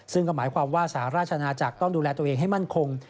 ซึ่งก็หมายความว่าสหราชนาจักรต้องดูแลตัวเองให้มั่นคง